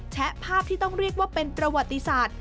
แชะภาพที่ต้องเรียกว่าเป็นประวัติศาสตร์